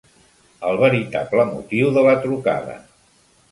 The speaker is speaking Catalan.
El veritable motiu de la trucada.